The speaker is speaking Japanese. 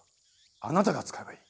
あなたが使えばいい。